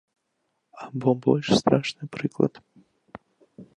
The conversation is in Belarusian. Або больш страшны прыклад.